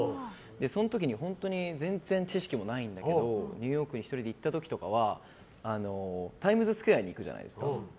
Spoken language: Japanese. その時に全然知識もないんだけどニューヨークに１人で行った時とかはタイムズスクエアに行くじゃないですか。